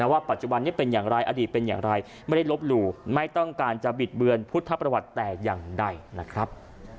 ว่าปัจจุบันนี้เป็นอย่างไรอดีตเป็นอย่างไรไม่ได้ลบหลู่ไม่ต้องการจะบิดเบือนพุทธประวัติแต่อย่างใดนะครับ